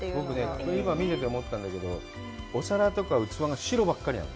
僕ね、今、見てて思ったんだけどお皿とか、器が白ばかりなの。